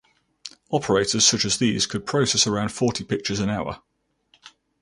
Operators such as these could process around forty pictures an hour.